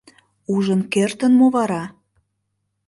Ужын кертын мо вара?